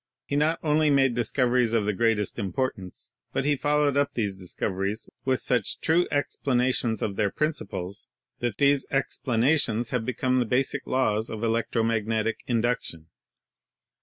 He not only made discoveries of the greatest importance, but he fol lowed up these discoveries with such true explanations of their principles that these explanations have become the basic laws of electro magnetic induction.